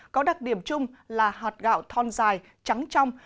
có đặc điểm chung là hạt gạo thon dài trắng trong